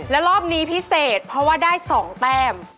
แล้วรอบนี้พิเศษเพราะว่าได้๒แต้ม